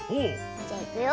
じゃいくよ。